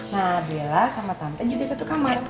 nah bella sama tante juga satu kamar